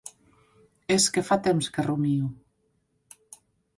- És que fa temps que rumio.